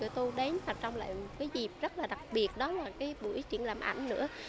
trong lại một dịp rất đặc biệt đó là buổi truyền làm ảnh nữa